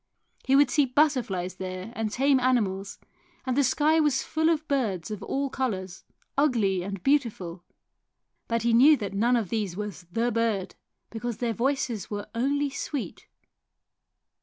He would see butterflies there and tame animals, and the sky was full of birds of all colours, ugly and beautiful; but he knew that none of these was the bird, because their voices were only sweet.